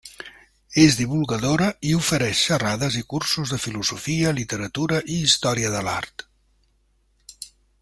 És divulgadora i ofereix xerrades i cursos de filosofia, literatura i història de l'art.